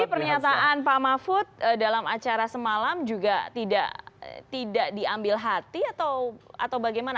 tapi pernyataan pak mahfud dalam acara semalam juga tidak diambil hati atau bagaimana